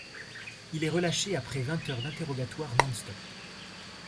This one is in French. Il est relâché après vingt heures d'interrogatoire non-stop.